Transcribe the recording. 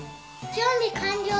準備完了！